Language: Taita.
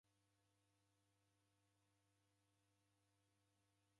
Washona mfuko ghwa igunia